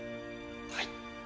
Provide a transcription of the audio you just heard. はい。